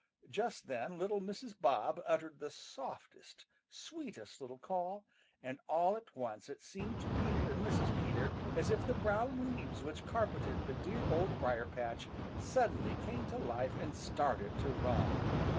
Just then little Mrs. Bob uttered the softest, sweetest little call, and all at once it seemed to Peter and Mrs. Peter as if the brown leaves which carpeted the dear Old Briar patch suddenly came to life and started to run.